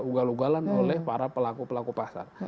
ugal ugalan oleh para pelaku pelaku pasar